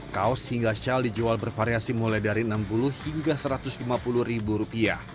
kaos hingga shawl dijual bervariasi mulai dari rp enam puluh hingga rp satu ratus lima puluh